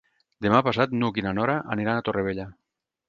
Demà passat n'Hug i na Nora aniran a Torrevella.